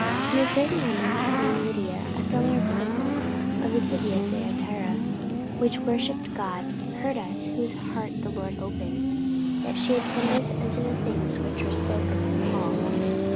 44:016:014 And a certain woman named Lydia, a seller of purple, of the city of Thyatira, which worshipped God, heard us: whose heart the Lord opened, that she attended unto the things which were spoken of Paul.